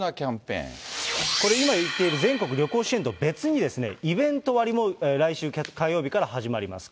これ、今言っている全国旅行支援と別に、イベント割も来週火曜日から始まります。